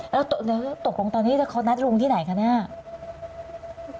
แล้วตกลงตอนนี้เขานัดลุงที่ไหนคะเนี่ย